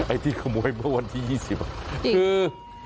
ที่ขโมยเมื่อวันที่๒๐คือ